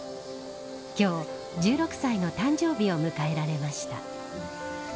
今日、１６歳の誕生日を迎えられました。